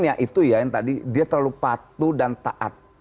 ya itu ya yang tadi dia terlalu patuh dan taat